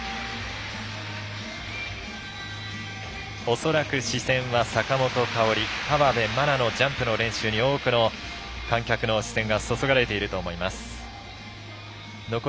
恐らく視線は坂本花織河辺愛菜のジャンプの練習に多くの観客の視線が注がれていると思います。